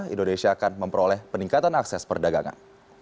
indonesia akan memperoleh peningkatan akses perdagangan